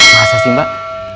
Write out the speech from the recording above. masa sih mbak